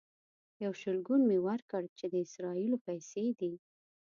یو شلګون مې ورکړ چې د اسرائیلو پیسې دي.